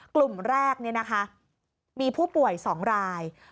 กลุ่มแรกนี่นะคะมีผู้ป่วย๒ราย